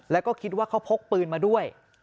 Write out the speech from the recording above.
แล้วก็คิดว่าเขาพกปืนมาด้วย